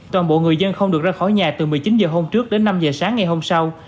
toàn bộ người dân không được ra khỏi nhà từ một mươi chín h hôm trước đến năm h sáng ngày hôm sau